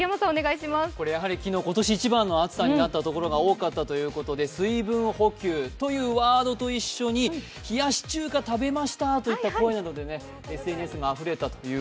昨日、今年一番の暑さになった所が多かったということで水分補給というワードと一緒に、冷やし中華食べましたなどといった声でＳＮＳが騒ぎました。